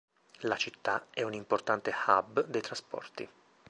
La città è un importante hub dei trasporti.